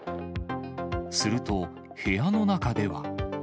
すると、部屋の中では。